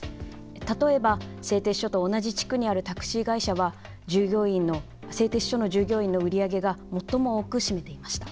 例えば製鉄所と同じ地区にあるタクシー会社は製鉄所の従業員の売り上げが最も多く占めていました。